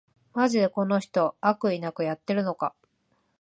マジでこの人、悪意なくやってるのか